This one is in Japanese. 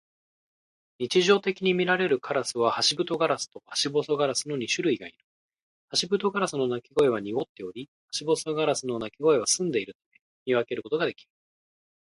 日常的にみられるカラスはハシブトガラスとハシボソガラスの二種類がいる。ハシブトガラスの鳴き声は濁っており、ハシボソガラスの鳴き声は澄んでいるため、見分けることができる。